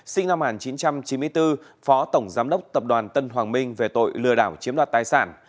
sinh năm một nghìn chín trăm chín mươi bốn phó tổng giám đốc tập đoàn tân hoàng minh về tội lừa đảo chiếm đoạt tài sản